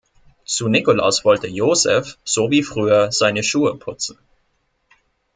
Zu Nikolaus wollte Joseph, so wie früher, seine Schuhe putzen.